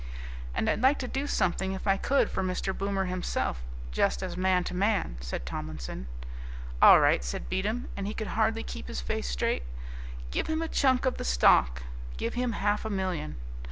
"And I'd like to do something, if I could, for Mr. Boomer himself, just as man to man," said Tomlinson. "All right," said Beatem, and he could hardly keep his face straight. "Give him a chunk of the stock give him half a million."